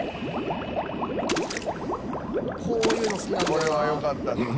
これはよかったっすね。